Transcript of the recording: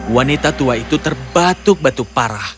wanita tua itu terbatuk batuk parah